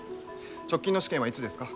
直近の試験はいつですか？